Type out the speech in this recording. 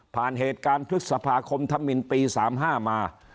เหตุการณ์พฤษภาคมธมินปี๓๕มา